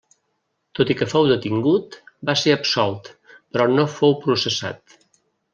Tot i que fou detingut, va ser absolt, però no fou processat.